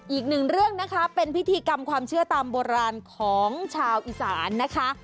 อีกหนึ่งเรื่องนะคะเป็นพิธีกรรมความเชื่อตามโบราณของชาวอีสานนะคะ